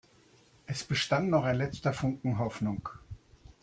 Es bestand noch ein letzter Funken Hoffnung.